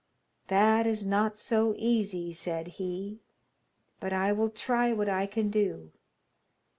'That is not so easy,' said he, 'but I will try what I can do.'